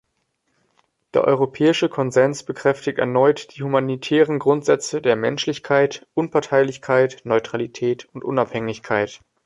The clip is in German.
Der Europäische Konsens bekräftigt erneut die humanitären Grundsätze der Menschlichkeit, Unparteilichkeit, Neutralität und Unabhängigkeit.